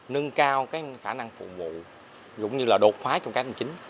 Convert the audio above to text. nâng cao khả năng phụng vụ cũng như là đột phái trong cách hành chính